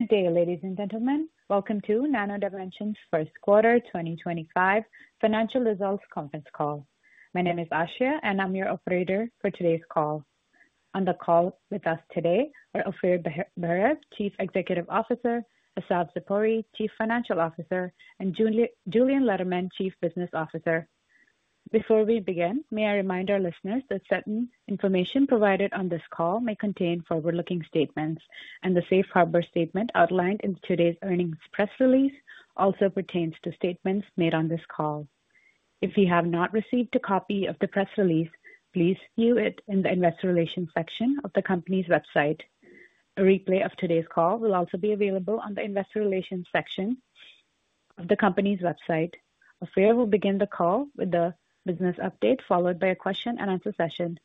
Good day, ladies and gentlemen. Welcome to Nano Dimension's first quarter 2025 financial results conference call. My name is Ashia, and I'm your operator for today's call. On the call with us today are Ofir Baharav, Chief Executive Officer; Assaf Zipori, Chief Financial Officer; and Julien Lederman, Chief Business Officer. Before we begin, may I remind our listeners that certain information provided on this call may contain forward-looking statements, and the Safe Harbor Statement outlined in today's earnings press release also pertains to statements made on this call. If you have not received a copy of the press release, please view it in the investor relations section of the company's website. A replay of today's call will also be available on the investor relations section of the company's website. Ofir will begin the call with a business update, followed by a question-and-answer session,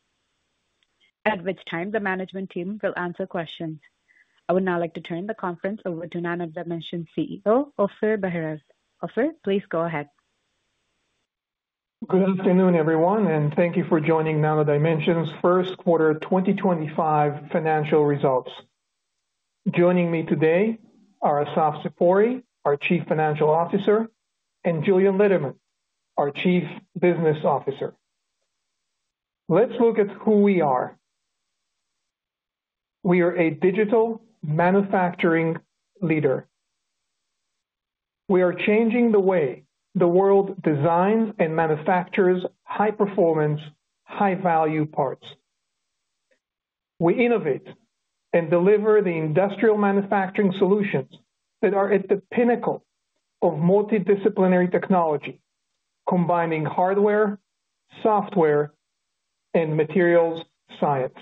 at which time the management team will answer questions. I would now like to turn the conference over to Nano Dimension CEO, Ofir Baharav. Ofir, please go ahead. Good afternoon, everyone, and thank you for joining Nano Dimension's first quarter 2025 financial results. Joining me today are Assaf Zipori, our Chief Financial Officer, and Julien Lederman, our Chief Business Officer. Let's look at who we are. We are a digital manufacturing leader. We are changing the way the world designs and manufactures high-performance, high-value parts. We innovate and deliver the industrial manufacturing solutions that are at the pinnacle of multidisciplinary technology, combining hardware, software, and materials science.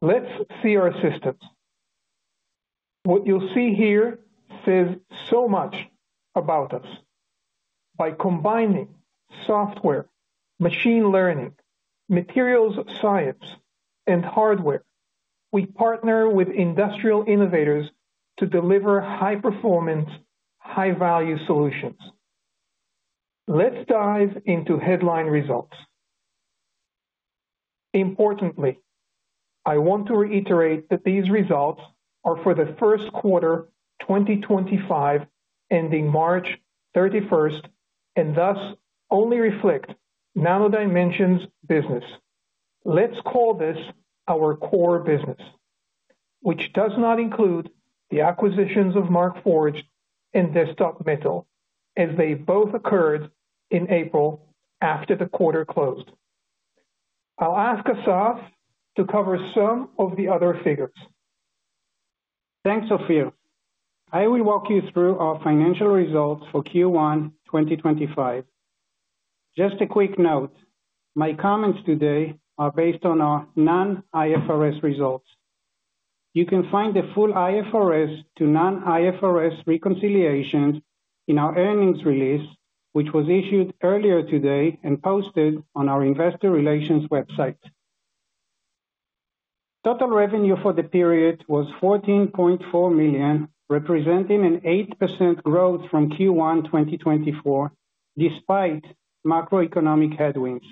Let's see our systems. What you'll see here says so much about us. By combining software, machine learning, materials science, and hardware, we partner with industrial innovators to deliver high-performance, high-value solutions. Let's dive into headline results. Importantly, I want to reiterate that these results are for the first quarter 2025, ending March 31, and thus only reflect Nano Dimension's business. Let's call this our core business, which does not include the acquisitions of Markforged and Desktop Metal, as they both occurred in April after the quarter closed. I'll ask Assaf to cover some of the other figures. Thanks, Ofir. I will walk you through our financial results for Q1 2025. Just a quick note: my comments today are based on our non-IFRS results. You can find the full IFRS to non-IFRS reconciliations in our earnings release, which was issued earlier today and posted on our investor relations website. Total revenue for the period was $14.4 million, representing an 8% growth from Q1 2024, despite macroeconomic headwinds.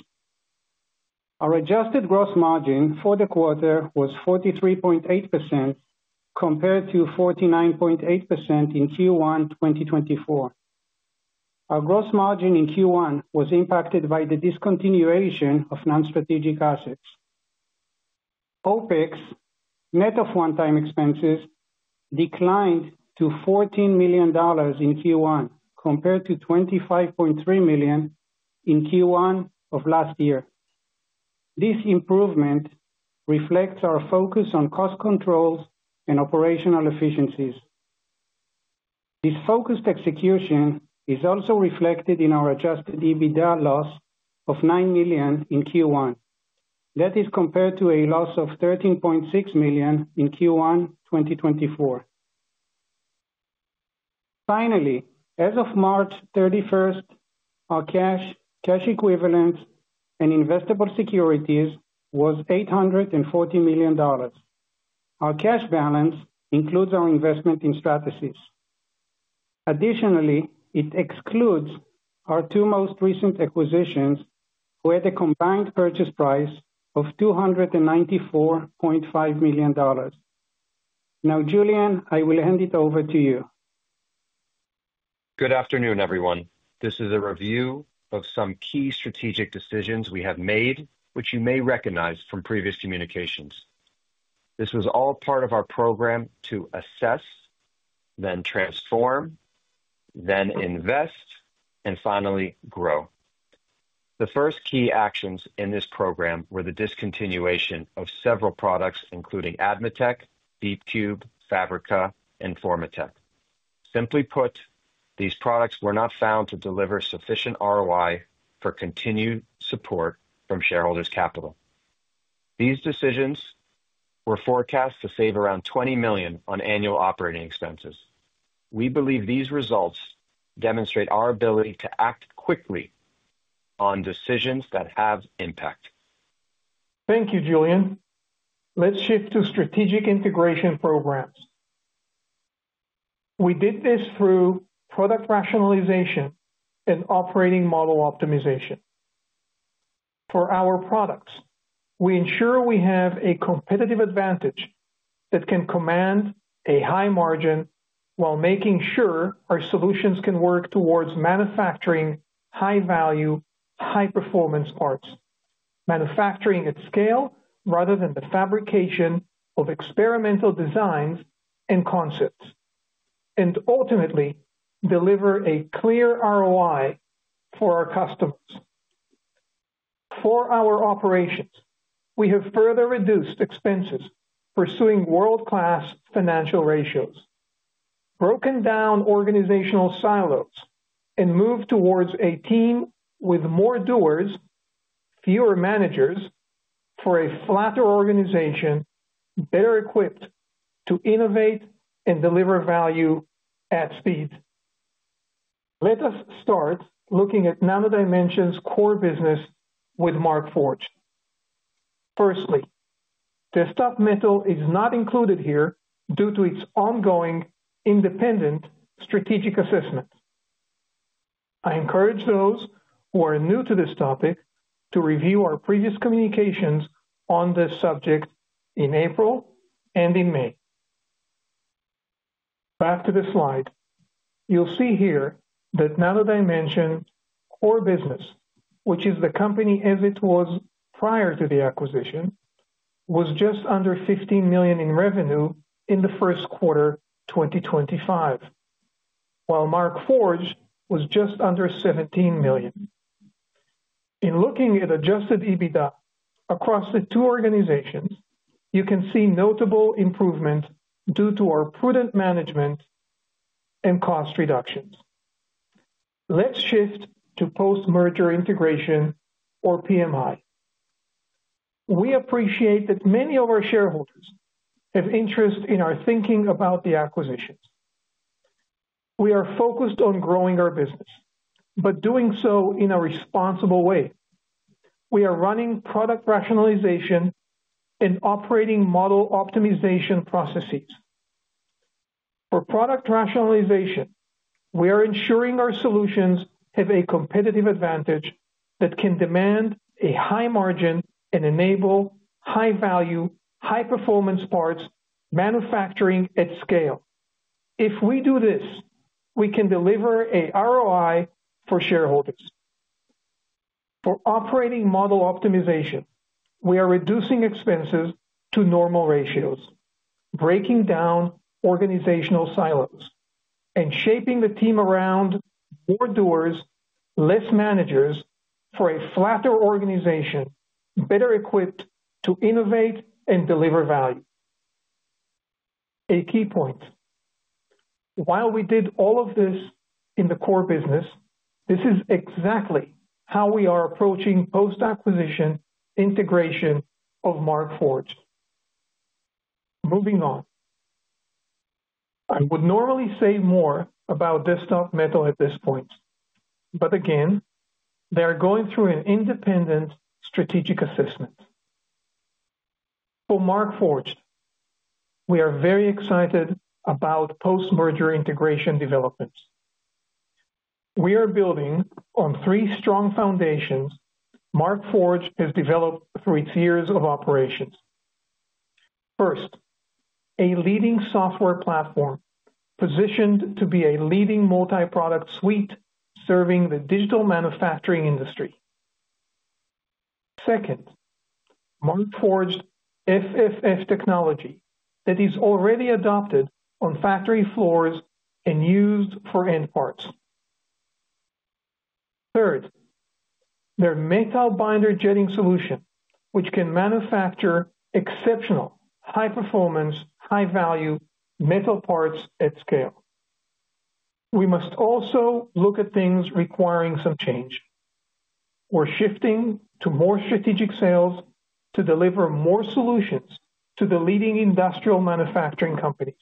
Our adjusted gross margin for the quarter was 43.8%, compared to 49.8% in Q1 2024. Our gross margin in Q1 was impacted by the discontinuation of non-strategic assets. OPEX, net of one-time expenses, declined to $14 million in Q1, compared to $25.3 million in Q1 of last year. This improvement reflects our focus on cost controls and operational efficiencies. This focused execution is also reflected in our adjusted EBITDA loss of $9 million in Q1. That is compared to a loss of $13.6 million in Q1 2024. Finally, as of March 31, our cash, cash equivalents, and investable securities was $840 million. Our cash balance includes our investment in Stratasys. Additionally, it excludes our two most recent acquisitions, who had a combined purchase price of $294.5 million. Now, Julien, I will hand it over to you. Good afternoon, everyone. This is a review of some key strategic decisions we have made, which you may recognize from previous communications. This was all part of our program to assess, then transform, then invest, and finally grow. The first key actions in this program were the discontinuation of several products, including Admatec, DeepCube, Fabrica, and Formatec. Simply put, these products were not found to deliver sufficient ROI for continued support from shareholders' capital. These decisions were forecast to save around $20 million on annual operating expenses. We believe these results demonstrate our ability to act quickly on decisions that have impact. Thank you, Julien. Let's shift to strategic integration programs. We did this through product rationalization and operating model optimization. For our products, we ensure we have a competitive advantage that can command a high margin while making sure our solutions can work towards manufacturing high-value, high-performance parts, manufacturing at scale rather than the fabrication of experimental designs and concepts, and ultimately deliver a clear ROI for our customers. For our operations, we have further reduced expenses, pursuing world-class financial ratios, broken down organizational silos, and moved towards a team with more doers, fewer managers, for a flatter organization, better equipped to innovate and deliver value at speed. Let us start looking at Nano Dimension's core business with Markforged. Firstly, Desktop Metal is not included here due to its ongoing independent strategic assessment. I encourage those who are new to this topic to review our previous communications on this subject in April and in May. Back to the slide. You'll see here that Nano Dimension's core business, which is the company as it was prior to the acquisition, was just under $15 million in revenue in the first quarter 2025, while Markforged was just under $17 million. In looking at adjusted EBITDA across the two organizations, you can see notable improvement due to our prudent management and cost reductions. Let's shift to post-merger integration, or PMI. We appreciate that many of our shareholders have interest in our thinking about the acquisitions. We are focused on growing our business, but doing so in a responsible way. We are running product rationalization and operating model optimization processes. For product rationalization, we are ensuring our solutions have a competitive advantage that can demand a high margin and enable high-value, high-performance parts manufacturing at scale. If we do this, we can deliver an ROI for shareholders. For operating model optimization, we are reducing expenses to normal ratios, breaking down organizational silos, and shaping the team around more doers, less managers, for a flatter organization, better equipped to innovate and deliver value. A key point: while we did all of this in the core business, this is exactly how we are approaching post-acquisition integration of Markforged. Moving on. I would normally say more about Desktop Metal at this point, but again, they are going through an independent strategic assessment. For Markforged, we are very excited about post-merger integration developments. We are building on three strong foundations Markforged has developed through its years of operations. First, a leading software platform positioned to be a leading multi-product suite serving the digital manufacturing industry. Second, Markforged FFF technology that is already adopted on factory floors and used for end parts. Third, their metal binder jetting solution, which can manufacture exceptional, high-performance, high-value metal parts at scale. We must also look at things requiring some change. We're shifting to more strategic sales to deliver more solutions to the leading industrial manufacturing companies.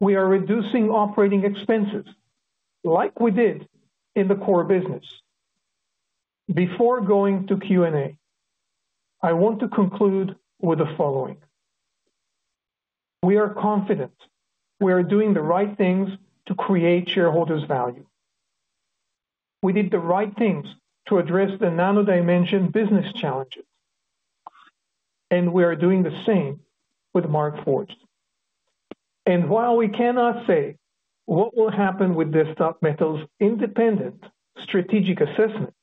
We are reducing operating expenses, like we did in the core business. Before going to Q&A, I want to conclude with the following: we are confident we are doing the right things to create shareholders' value. We did the right things to address the Nano Dimension business challenges, and we are doing the same with Markforged. While we cannot say what will happen with Desktop Metal's independent strategic assessment,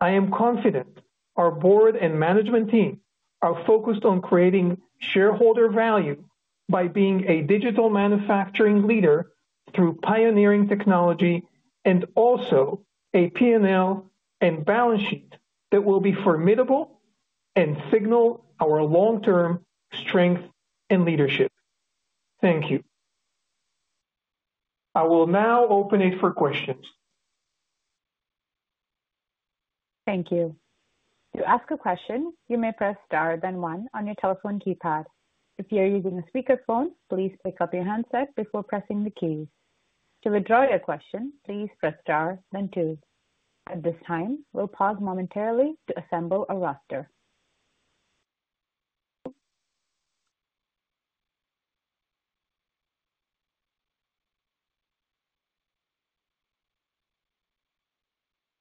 I am confident our board and management team are focused on creating shareholder value by being a digital manufacturing leader through pioneering technology and also a P&L and balance sheet that will be formidable and signal our long-term strength and leadership. Thank you. I will now open it for questions. Thank you. To ask a question, you may press Star, then 1, on your telephone keypad. If you're using a speakerphone, please pick up your handset before pressing the keys. To withdraw your question, please press Star, then 2. At this time, we'll pause momentarily to assemble a roster.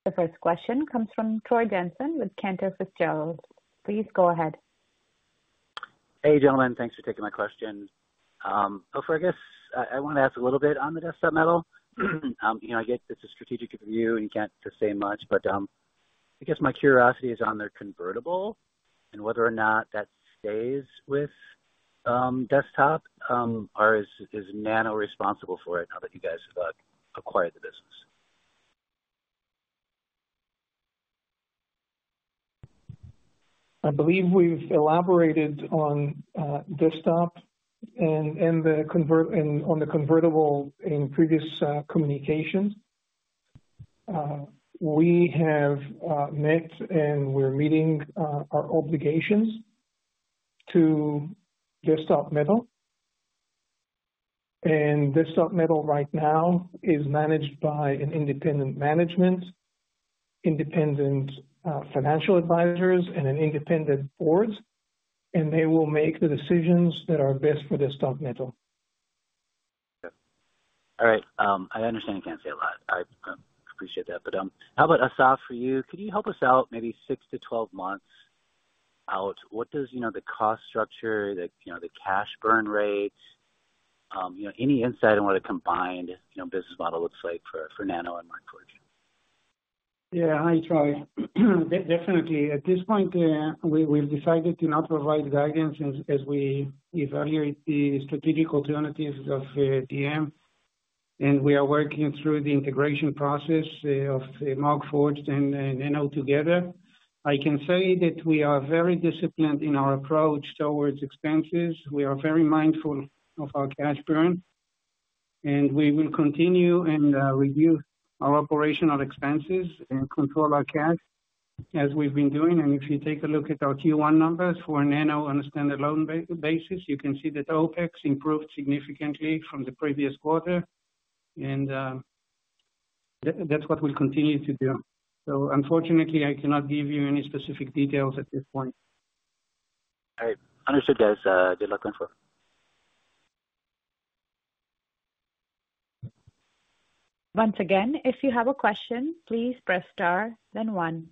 The first question comes from Troy Jensen with Cantor Fitzgerald. Please go ahead. Hey, gentlemen. Thanks for taking my question. Of course, I guess I wanted to ask a little bit on the Desktop Metal. You know, I get it's a strategic review, and you can't say much, but I guess my curiosity is on their convertible and whether or not that stays with Desktop or is Nano responsible for it now that you guys have acquired the business. I believe we've elaborated on Desktop and on the convertible in previous communications. We have met, and we're meeting our obligations to Desktop Metal. Desktop Metal right now is managed by an independent management, independent financial advisors, and an independent board, and they will make the decisions that are best for Desktop Metal. All right. I understand you can't say a lot. I appreciate that. How about, Assaf, for you? Could you help us out maybe 6 to 12 months out? What does, you know, the cost structure, the cash burn rates, you know, any insight on what a combined business model looks like for Nano and Markforged? Yeah, hi, Troy. Definitely. At this point, we've decided to not provide guidance as we evaluate the strategic alternatives of DM, and we are working through the integration process of Markforged and Nano together. I can say that we are very disciplined in our approach towards expenses. We are very mindful of our cash burn, and we will continue and review our operational expenses and control our cash, as we've been doing. If you take a look at our Q1 numbers for Nano on a standalone basis, you can see that OPEX improved significantly from the previous quarter, and that's what we'll continue to do. Unfortunately, I cannot give you any specific details at this point. All right. Understood, guys. Good luck on four. Once again, if you have a question, please press Star, then 1.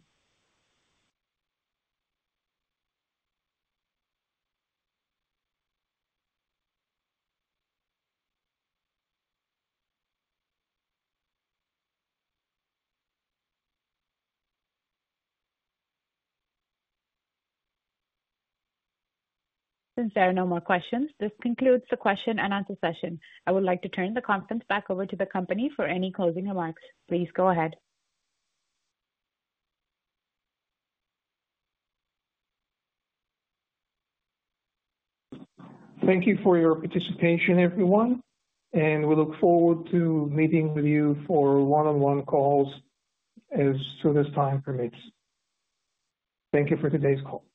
Since there are no more questions, this concludes the question and answer session. I would like to turn the conference back over to the company for any closing remarks. Please go ahead. Thank you for your participation, everyone, and we look forward to meeting with you for one-on-one calls as soon as time permits. Thank you for today's call.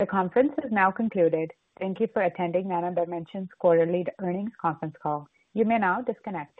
The conference has now concluded. Thank you for attending Nano Dimension's quarterly earnings conference call. You may now disconnect.